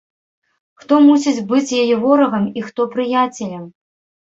Хто мусіць быць яе ворагам і хто прыяцелем?